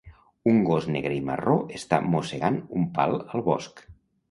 Un gos negre i marró està mossegant un pal al bosc.